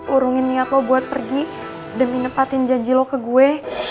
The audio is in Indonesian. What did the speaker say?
urungin niat lo buat pergi demi nepatin janji lo ke gue